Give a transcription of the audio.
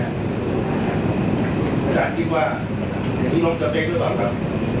อาจารย์คิดว่าถึงลงจำเป็นหรือเปล่าครับ